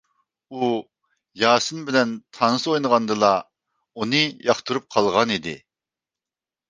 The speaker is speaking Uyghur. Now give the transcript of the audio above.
ئۇ ياسىن بىلەن تانسا ئوينىغاندىلا ئۇنى ياقتۇرۇپ قالغانىدى.